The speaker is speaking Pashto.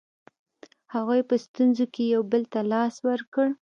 هغوی په ستونزو کې یو بل ته لاس ورکړ.